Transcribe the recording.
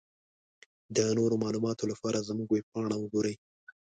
د نورو معلوماتو لپاره زمونږ ويبپاڼه وګورٸ.